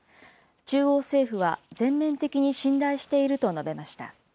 中央政府は全面的に信頼していると述べました。